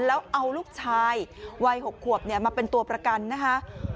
แล้วเอาลูกชายวัย๖ขวบมาเป็นตัวประกันนะคะ